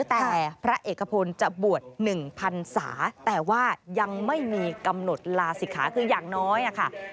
แต่พระเอกพลจะบวช๑พันศาแต่ว่ายังไม่มีกำหนดลาศิกขาคืออย่างน้อยค่ะ